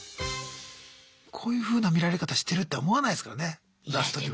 こういうふうな見られ方してるって思わないですからね出す時は。